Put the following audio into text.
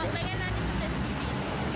kalau pengen nanti sampai segini